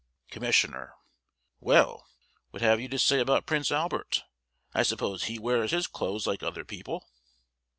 Commissioner: Well, what have you to say about Prince Albert? I suppose he wears his clothes like other people?